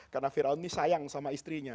karena fir'aun ini sayang sama istrinya